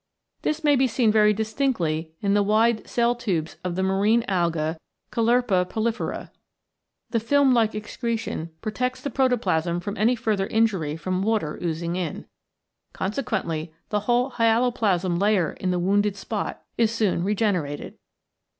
This may be seen very distinctly in the wide cell tubes of the marine alga Caulerpa prolifera. The film like excretion protects the protoplasm from any further injury from water oozing in. Consequently the whole hyaloplasm layer in the wounded spot is soon regenerated.